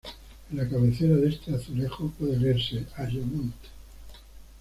En la cabecera de este azulejo puede leerse: "Ayamonte.